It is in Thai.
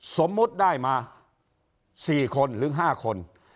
สมมุติได้มาสี่คนหรือห้าคน